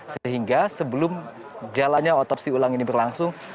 sehingga sebelum jalannya otopsi ulang ini berlangsung